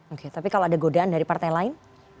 oke tapi kalau ada godaan dari partai lain